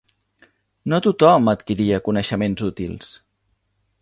No tothom adquiria coneixements útils.